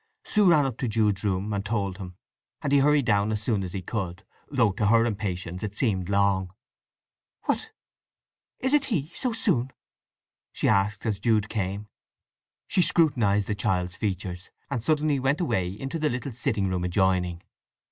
Sue ran up to Jude's room and told him, and he hurried down as soon as he could, though to her impatience he seemed long. "What—is it he—so soon?" she asked as Jude came. She scrutinized the child's features, and suddenly went away into the little sitting room adjoining.